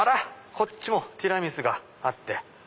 こっちもティラミスがあって。